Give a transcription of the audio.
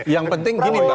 yang penting begini mbak